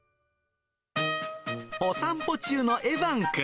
お散歩中のエヴァンくん。